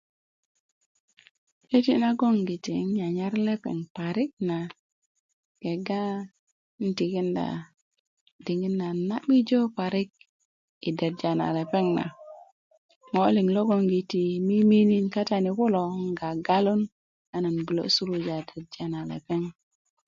'deti nagongiti nan nyanyar lepeŋ parik na kega n tikinda diŋit na na'bijo parik i derja na lepeŋ na ŋo liŋ logoŋgiti miminikin kata ni kulo nan gagalun an bulo' suluja derja na lepeŋ